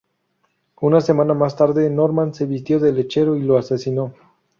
Una semana más tarde, Norman se vistió de lechero y lo asesinó.